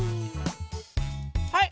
はい！